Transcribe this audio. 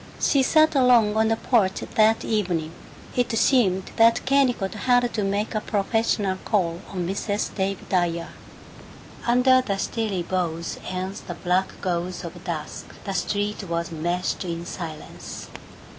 She sat alone on the porch, that evening. It seemed that Kennicott had to make a professional call on Mrs. Dave Dyer. Under the stilly boughs and the black gauze of dusk the street was meshed in silence.